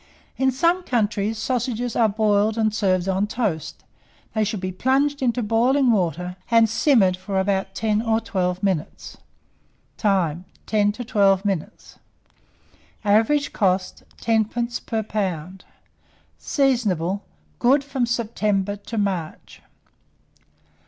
In some counties, sausages are boiled and served on toast. They should be plunged into boiling water, and simmered for about 10 or 12 minutes. Time. 10 to 12 minutes. Average cost, 10d. per lb. Seasonable. Good from September to March.